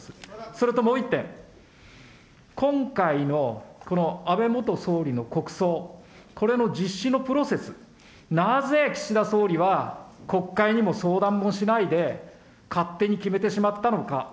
それともう１点、今回のこの安倍元総理の国葬、これの実施のプロセス、なぜ岸田総理は、国会にも相談もしないで、勝手に決めてしまったのか。